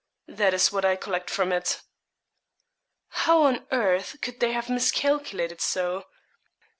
That is what I collect from it.' 'How on earth could they have miscalculated so!